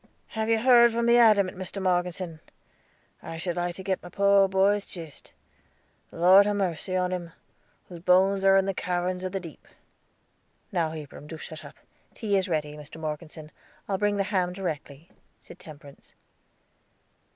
Have you heard from the Adamant, Mr. Morgeson? I should like to get my poor boy's chist. The Lord ha' mercy on him, whose bones are in the caverns of the deep." "Now, Abram, do shut up. Tea is ready, Mr. Morgeson. I'll bring in the ham directly," said Temperance.